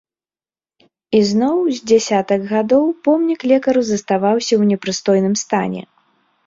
І зноў з дзясятак гадоў помнік лекару заставаўся ў непрыстойным стане.